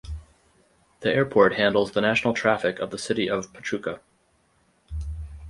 The airport handles the national traffic of the city of Pachuca.